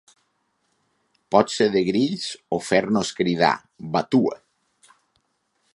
Pot ser de grills o fer-nos cridar vatua!